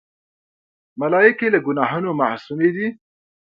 ملایکې له ګناهونو معصومی دي.